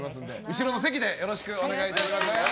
後ろの席でよろしくお願いいたします。